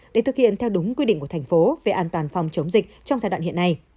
để thực hiện theo đúng quy định của thành phố về an toàn phòng chống dịch trong giai đoạn hiện nay